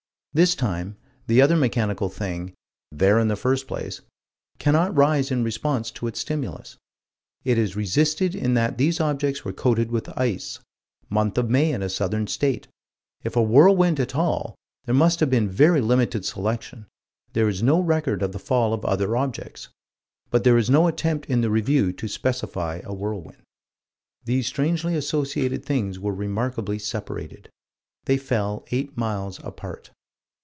This time, the other mechanical thing "there in the first place" cannot rise in response to its stimulus: it is resisted in that these objects were coated with ice month of May in a southern state. If a whirlwind at all, there must have been very limited selection: there is no record of the fall of other objects. But there is no attempt in the Review to specify a whirlwind. These strangely associated things were remarkably separated. They fell eight miles apart.